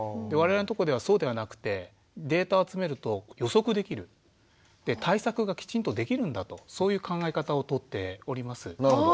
我々のとこではそうではなくてデータ集めると予測できるで対策がきちんとできるんだとそういう考え方をとっております。